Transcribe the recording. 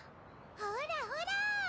・ほらほら！